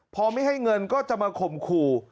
พอไม่ให้เงินก็จะมาข่มขู่